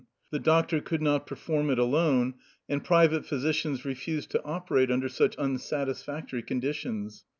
The doctor could not per form it alone, and private physicians refused to operate under such unsatisfactory conditions.